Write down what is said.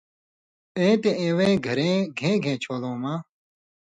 اېں تے اِوَیں گھریں گھېں گھېں چھون٘لؤں مہ